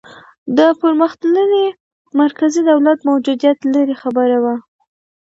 د پرمختللي مرکزي دولت موجودیت لرې خبره وه.